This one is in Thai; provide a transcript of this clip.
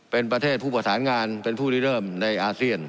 เป็นประเทศผู้ประสานงานเป็นผู้รีเริ่มในอาเซียน